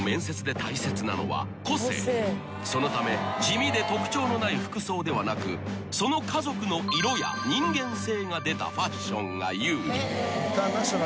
［そのため地味で特徴のない服装ではなくその家族の色や人間性が出たファッションが有利］